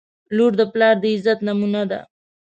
• لور د پلار د عزت نمونه ده.